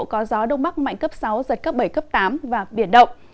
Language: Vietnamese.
có gió đông bắc mạnh cấp sáu giật cấp bảy cấp tám và biển động